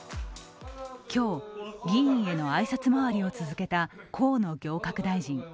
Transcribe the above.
今日、議員への挨拶回りを続けた河野行革大臣。